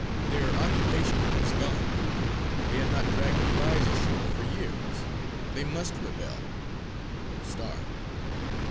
Their occupation was gone; they had not dragged a prize ashore for years; they must rebel or starve.